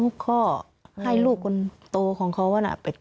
ออกจากลูกเตยมัน